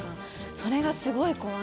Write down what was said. それがすごい怖いです。